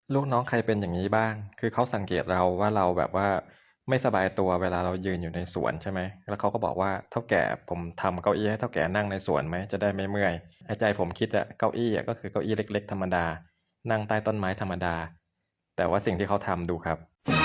ลูกน้องใครเป็นอย่างนี้บ้างคือเขาสังเกตเราว่าเราแบบว่าไม่สบายตัวเวลาเรายืนอยู่ในสวนใช่ไหมแล้วเขาก็บอกว่าเท่าแก่ผมทำเก้าอี้ให้เท่าแก่นั่งในสวนไหมจะได้ไม่เมื่อยในใจผมคิดเก้าอี้ก็คือเก้าอี้เล็กธรรมดานั่งใต้ต้นไม้ธรรมดาแต่ว่าสิ่งที่เขาทำดูครับ